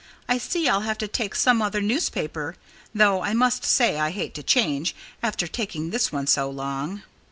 "I see I'll have to take some other newspaper, though I must say I hate to change after taking this one so long."